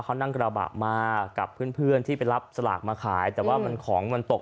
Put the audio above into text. เขานั่งกระบะมากับเพื่อนเพื่อนที่ไปรับสลากมาขายแต่ว่ามันของมันตก